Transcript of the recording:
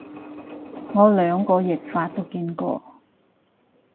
我兩個譯法都見過